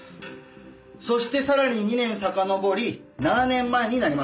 そしてさらに２年さかのぼり７年前になります。